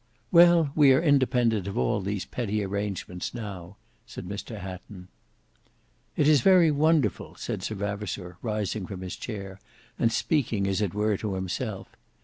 "Well we are independent of all these petty arrangements now," said Mr Hatton. "It is very wonderful," said Sir Vavasour, rising from his chair and speaking as it were to himself.